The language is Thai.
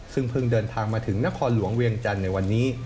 ซึ่งเพิ่งเดินทางมาถึงนครหลวงเวียงจันทร์ในวันนี้